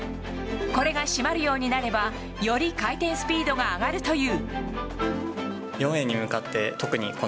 これが締まるようになればより回転スピードが上がるという。